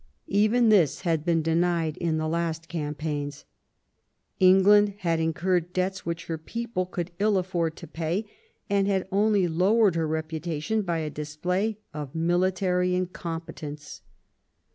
Even this had been denied in the last campaigns. England had incurred debts which her people could ill afford to pay, and had only lowered her reputation by a display of military incompetence.